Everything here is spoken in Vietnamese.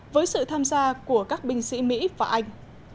với sự tham gia của các binh sĩ mỹ và anh